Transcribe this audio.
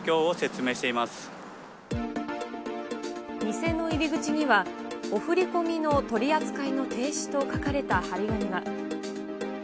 店の入り口には、お振り込みの取り扱いの停止と書かれた貼り紙が。